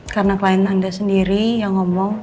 karena klien anda sendiri yang ngomong